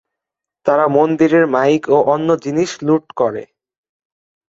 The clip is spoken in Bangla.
তারা মন্দিরের মাইক ও অন্য জিনিস লুট করে।